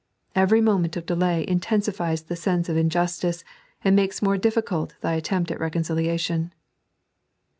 Every moment of delay in tensifies the sense of injustice, and makes more difficult thy attempt at reconciliation."